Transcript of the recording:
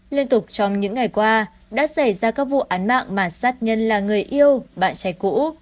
liên tục trong những ngày qua đã xảy ra các vụ án mạng mà sát nhân là người yêu bạn trai cũ